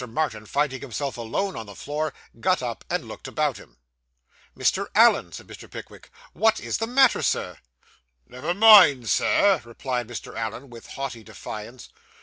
Martin finding himself alone on the floor, got up, and looked about him. 'Mr. Allen,' said Mr. Pickwick, 'what is the matter, Sir?' 'Never mind, Sir!' replied Mr. Allen, with haughty defiance.